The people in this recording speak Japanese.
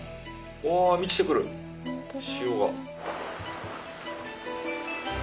お満ちてくる潮が。